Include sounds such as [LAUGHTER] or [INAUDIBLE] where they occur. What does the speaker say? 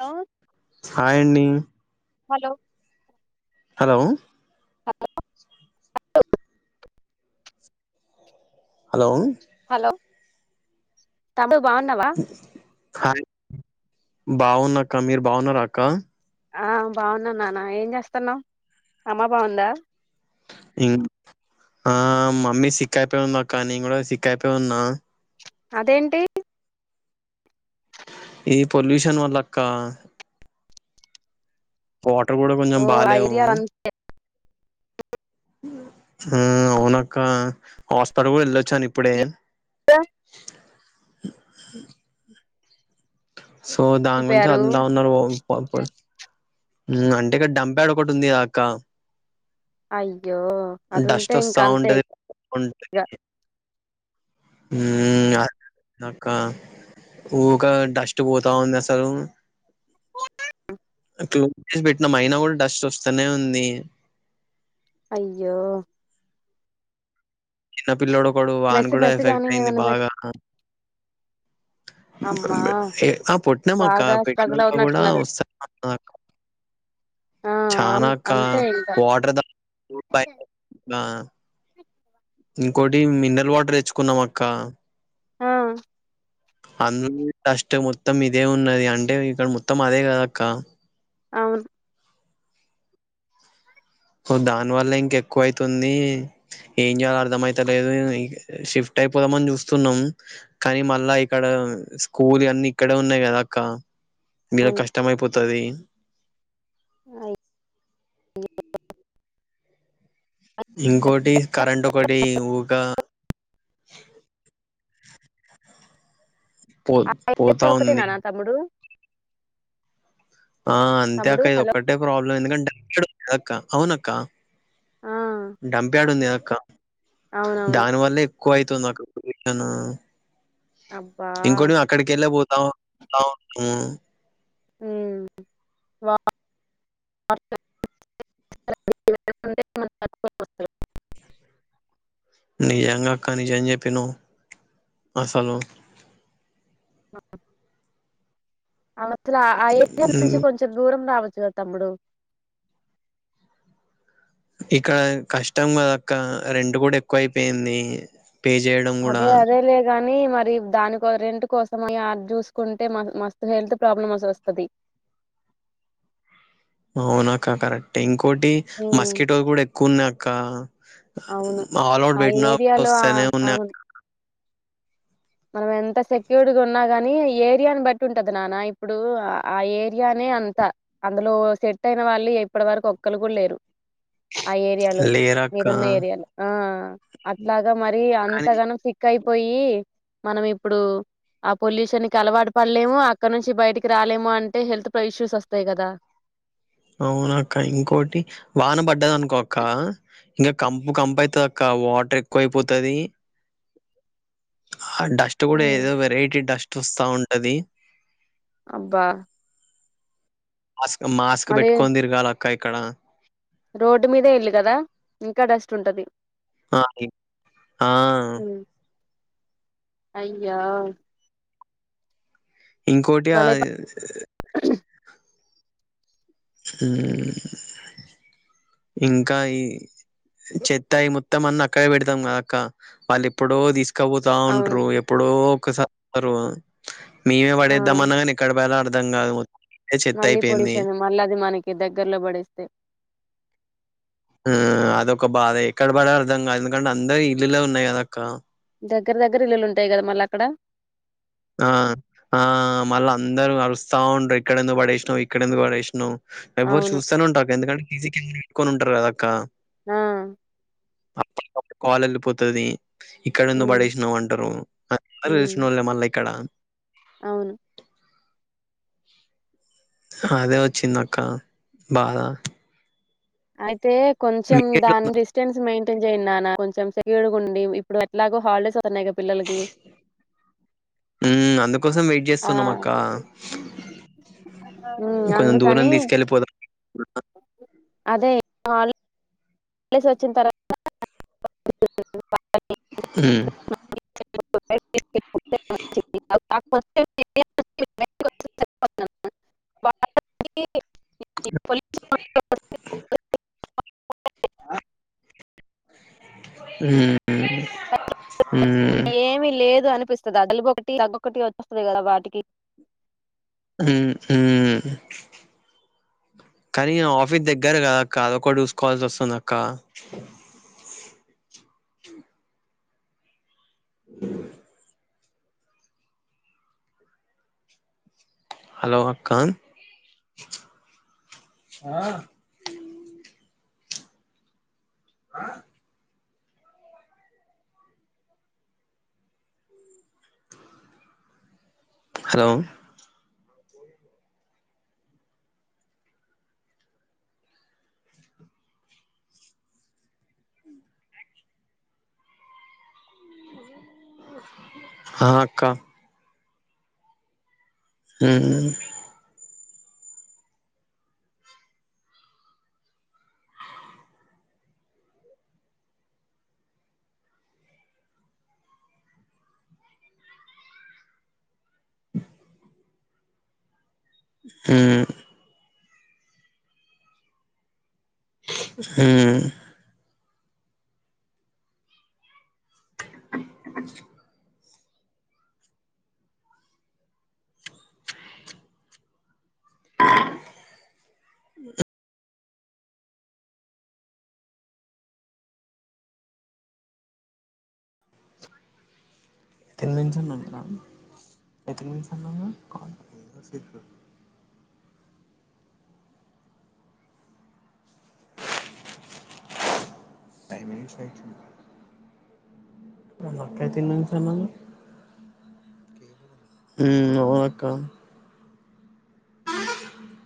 Hello హయన్ని hello hello hello అ hello hello తబ బాగున్నావా బాగున్నాక్క మీరు బాగున్నార అక్క ఆ బాగున్నా నాన్న ఏం చేస్తున్నా అమ్మా బాగుందా ఇ ఆ మమ్మీ సిక్క్కయిపోయి ఉన్నా అక్క నీ కూడా సిక్క అయిపోయి ఉన్నా అదేంటి ఈ పొల్యూషన్ వల్లక్క కోటర్కడ ఓ కొంచెం బాల ఆ ఏరియా ఆ అవునక్క హాస్టల్ కూడా వెళ్ళొచ్చాను ఇప్పుడే స [UNINTELLIGIBLE] సో దాని గురించి అయిపోయారు అ ఉన్నారు అంటే కడ డంప్ ఎడ ఒకటి ఉందిదాకా అయ్యో అది డస్ట్ ఉంటే ఇంక అంతే సౌంటది ఇగ అకా ఊక డస్ట్ పోతా ఉంది అసలు క్లోసి పెట్టినాం అయినా కూడా డస్ట్ వస్తానే ఉంది అయ్యో పిల్లడు ఒకడు ఆని మెస్ కూడా మెస్ గాని ఎఫెక్ట్ అయింది ఏమన్నా పెట్టి బాగా [UNINTELLIGIBLE] ఆ పుట్టినాం అక్క బాగా స్ట్రగుల్ పెట్టినంత కూడా అవుతున్నట్టున్నారు వస్తా ఆ అన్- చానాక్క అంతే ఇంకా వాటర్ ద [UNINTELLIGIBLE] ఇంకోటి మినరల్ వాటర్ తెచ్చుకున్నాం అక్క ఆ అందు టస్ట్ మొత్తం ఇదే ఉన్నది అంటే ఇక్కడ మొత్తం అదే కదక్క అవును దాని వల్ల ఇంక ఎక్కువ అైతుంది ఏం చేలో అర్థమయితలేదు షిఫ్ట్ అయిపోదామని చూస్తున్నాం కానీ మళ్ళా ఇక్కడ స్కూల్ అన్ని ఇక్కడే ఉన్నాయి కదా అక్క మీలా అవును కష్టమయపోతది అయి ఇంకొటి కరెంట్ ఒకటి ఊగా పో పోతా ఒకటే ఉంది నానా తమ్ముడు ఆ అంతే తమ్ముడు అక్క ఇది హలో ఒక్కటే ప్రాబ్లమ్ ఎందుకంటే అక్క అవున అక్క ఆ ంపయాడు ఉందిక్క అవునవును దానివల్లే ఎక్కువ అైతుంది అక్కడ అబ్బా ఇంకోటి అక్కడికి వెళ్ళ పోతు అవును వా దే మ తకు నిజంగా అక్క నిజం చెప్పిన అసలు అసలు ఆ ఏరియా నుంచి ఉమ్, కొంచెం దూరం రావచ్చు కదా తమ్డు ఇక్కడ కష్టం కదక్క రెంట్ కూడా ఎక్కువ అయిపోయింది పే చేయడం కూడా అదే అదే లే గాని మరి దాని రెంట్ కోసం అ చూసుకుంటే మ హెల్త్ ప్రాబ్లమ్ వస్తుంది అవునక్క కరెక్ట్ ఇంకోటి ఉమ్ మస్కిటో కూడా ఎక్కువ ఉన్నాయి అక్క అవును ఆల్ ఆ ఆవుట్ బెట్టిన ఏరియాలో ఆ వస్తానే ఉన్నాయ్ అవును మనం ఎంత సెక్యూరుడ్ ఉన్నా గాని ఏరియాని బట్టి ఉంటది నానా ఇప్పుడు ఆ ఏరియాని యే అంతా అందులో సెట్ అయిన వాళ్ళు ఇప్పటి వరకు ఒక్కరు కూడా లేరు ఆ ఏరియాలో మీరున్న లేరక్క ఏరియాలో ఆ అట్లా మరి కానీ అంతగానం సిక్ అయిపోయి మనం ఇప్పుడు ఆ పొల్యూషన్కి అలవాటు పడలేము అక్కడ నుంచి బయటికి రాలేము అంటే హెల్త్ పై ఇష్యూస్ వస్తాయి కదా అవునక్క ఇంకోటి వాన పడ్డాది అనుకో అక్క ఇంకా కంపు కంపు అయితది అక్క వాటర్ ఎక్కువయిపోతది ఆ డస్ట్ కూడా ఉమ్. ఏదో వెరైటీ డస్ట్ వస్తా ఉంటది అబ్బా మాస్క్ మాస్క్ మళ్ళీ పెట్టుకొని తిరగాలి అక్క ఇక్కడ రోడ్డు మీద ఇల్లు కదా ఇంకా డస్ట్ ఉంటది ఆ ఆ అయ్యో ఇంకోటి ఆ భలే ప- ఇంకా ఈ చెత్తాయి మొత్తం అన్న అక్కడే పెడతాం కదా అక్క వాళ్ళు ఎప్పుడో తీసుకు కావుతా అవును ఉంట్రారు ఎప్పుడో ఒకసారు మేమే ఆ పడేద్దాంమన్నా కానీ ఎక్కడపడేయా దంగా మళ్ళీ పొల్యూషన్ మళ్ళీ అది మనకి దగ్గర్లో పడిస్తే ఉ అదొక బాధ ఎక్కడ పడేయాలో అర్థం కాదు ఎందుకంటే అందరు ఇల్లులో ఉన్నాయి కదా అక్క దగ్గర దగ్గర ఇల్లులు ఉంటాయి కదా మళ్ళా అక్కడ ఆ ఆ మళ్ళీ అందరూ ఆరుస్తా ఉండ్రి ఇక్కడెందుకు పడేసినావు ఇక్కడెందుకు పడేసినవ్ ఎవ్వరు అవును చూస్తానే ఉంటా ఎందుకంటే [UNINTELLIGIBLE] పెట్టుకొని ఉంటారు కదక్క ఉ కాల్ వెళ్ళిపోతది ఇక్కడ ఎందుకు ఉమ్ పడేసినావు అంటారు అ ఉమ్ తెలిసిన వాళ్ళే మళ్ళా ఇక్కడ అవును అదే వచ్చిందిక్క బాధ అయితే కొంచెం దాని మీకెట్లుంది డిస్టెన్స్ మెయిన్ జేన్ నాన కొంచం సెక్యూరిడ్ ఉండి ఇప్పుడు ఎట్లాగో హాలిడేస్ వస్తా న్నాయి పిల్లలకి హ్మ్ అందుకోసం వెయిట్ ఆ చేస్తున్నాం అక్క ఉమ్ కొంచెం దూరం అందుకని తీసుకెళ్ళిపోతాం అదే హాలిడేస్ వచ్చిన తర్వాత ఉ [INAUDIBLE] [INAUDIBLE] ఆ ఉ ఏమి లేదు అనిపిస్తుంది జలుబు ఒకటి దగ్గు ఓకటి వచ్చస్తుంది కదా వాటికి ఉ ఊ కానీ ఆఫీస్ దగ్గర కదక్క అదొకటి చూసుకోవాల్సి వస్తుంది అక్క హలో అక్క ఆ హలో ఆ అక్క హ్మ్ హ్మ్ హ్మ్ [UNINTELLIGIBLE] ఎక్కడి నుంచి అన్నావ్ నువ్వు అ ఫైవ్ మినిట్స్ అయ్తుంది వల్ల అక్క అయితే [UNINTELLIGIBLE] హ్మ్ అవునక్క ఆహ